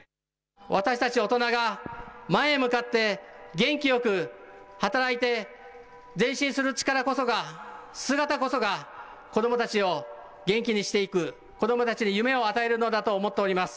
私たち大人が前へ向かって元気よく働いて前進する力こそが、姿こそが子どもたちを元気にしていく、子どもたちに夢を与えるのだと思っております。